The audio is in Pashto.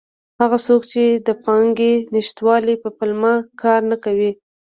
هغه څوک چې د پانګې نشتوالي په پلمه کار نه کوي.